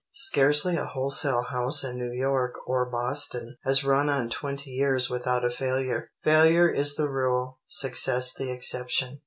Scarcely a wholesale house in New York or Boston has run on twenty years without a failure. Failure is the rule, success the exception.